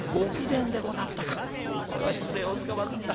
これは失礼をつかまつった。